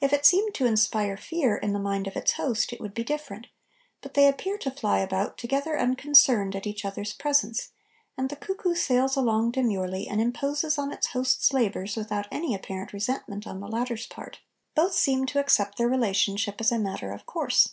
If it seemed to inspire fear in the mind of its host it would be different, but they appear to fly about together unconcerned at each other's presence, and the cuckoo sails along demurely and imposes on its hosts' labours without any apparent resentment on the latter's part; both seem to accept their relationship as a matter of course.